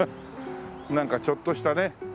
なんかちょっとしたね